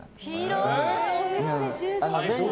広い！